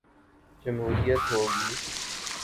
جمہوریت ہو گی۔